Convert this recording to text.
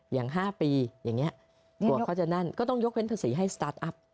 อย่าง๕ปีอย่างนี้กว่าเขาจะนั่นก็ต้องยกเว้นภาษีให้สตาร์ทอัพ